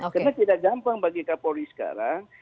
karena tidak gampang bagi kapolri sekarang